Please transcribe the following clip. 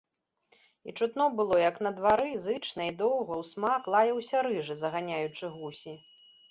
І чутно было, як на двары зычна і доўга ўсмак лаяўся рыжы, заганяючы гусі.